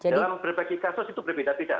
dalam berbagai kasus itu berbeda beda